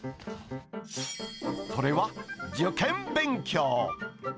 それは受験勉強。